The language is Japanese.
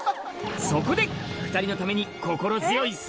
そこで２人のために